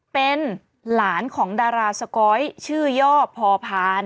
เป็นหลานของดาราสก๊อยชื่อย่อพอพาน